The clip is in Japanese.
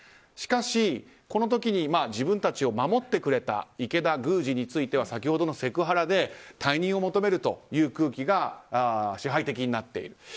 しかし、この時に自分たちを守ってくれた池田宮司については先ほどのセクハラで退任を求めるという空気が支配的になっている。